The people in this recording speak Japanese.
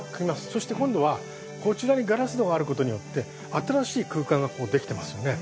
そして今度はこちらにガラス戸がある事によって新しい空間ができてますよね。